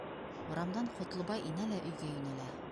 Урамдан Ҡотлобай инә лә өйгә йүнәлә.